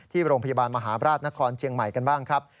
ที่โรงพยาบาลมหาบราชนครเชียงใหม่กันบ้างครับ